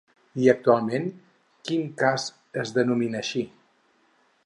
I actualment, quin cas es denomina així?